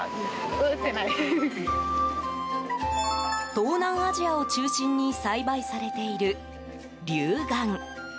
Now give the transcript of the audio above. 東南アジアを中心に栽培されている、リュウガン。